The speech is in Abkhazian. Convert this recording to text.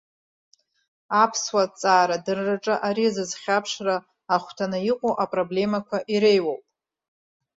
Аԥсуа ҭҵаарадырраҿы ари зызхьаԥшра ахәҭаны иҟоу апроблемақәа иреиуоуп.